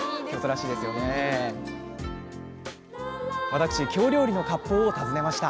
私京料理の割烹を訪ねました